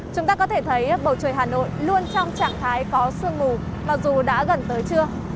chúng ta có thể thấy bầu trời hà nội luôn trong trạng thái có sương mù mặc dù đã gần tới trưa